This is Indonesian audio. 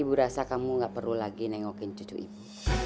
ibu rasa kamu nggak perlu lagi nengokin cucu ibu